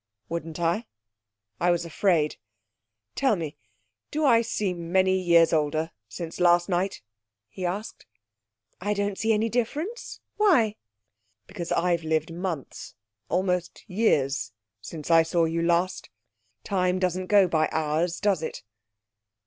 'Wouldn't I? I was afraid. Tell me, do I seem many years older since last night?' he asked. 'I don't see any difference. Why?' 'Because I've lived months almost years since I saw you last. Time doesn't go by hours, does it?...